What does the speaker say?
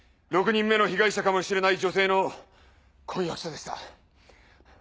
６人目の被害者かもしれない女性の婚約者でした。